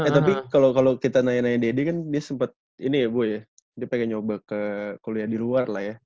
tapi kalau kita nanya nanya deddy kan dia sempat ini ya bu ya dia pengen nyoba ke kuliah di luar lah ya